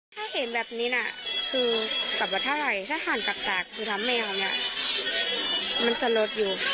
ถ้าเห็นแบบนี้น่ะคือแบบว่าถ้าไหลถ้าหันตากคือทำไม่เอาเนี่ยมันสลดอยู่